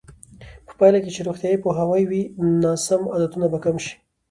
په پایله کې چې روغتیایي پوهاوی وي، ناسم عادتونه به کم شي.